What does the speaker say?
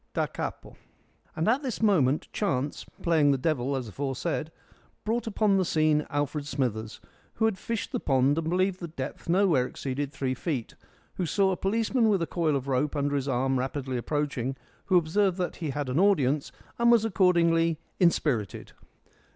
Da capo. And at this moment chance playing the devil as aforesaid brought upon the scene Alfred Smithers, who had fished the pond and believed the depth nowhere exceeded three feet, who saw a policeman with a coil of rope under his arm rapidly approaching, who observed that he had an audience and was accordingly inspirited.